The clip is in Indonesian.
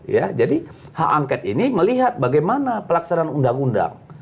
ya jadi hak angket ini melihat bagaimana pelaksanaan undang undang